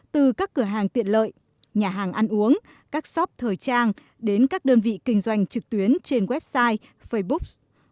từ các cửa hàng tiện lợi nhà hàng ăn uống các shop thời trang đến các đơn vị kinh doanh trực tuyến trên website facebook